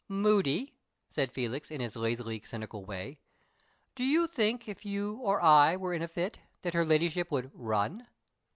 "Moody," said Felix, in his lazily cynical way, "do you think if you or I were in a fit that her Ladyship would run?